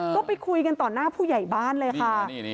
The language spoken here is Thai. ก็ไปคุยกันต่อหน้าผู้ใหญ่บ้านเลยค่ะ